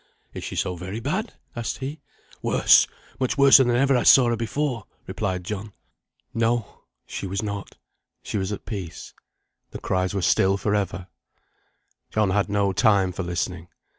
"Is she so very bad?" asked he. "Worse, much worser than ever I saw her before," replied John. No! she was not she was at peace. The cries were still for ever. John had no time for listening.